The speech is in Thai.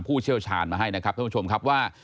ผู้เชี่ยวชาญมาให้นะครับท่านผู้ชมครับว่า